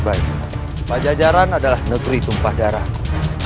baik pak jajaran adalah negeri tumpah darahku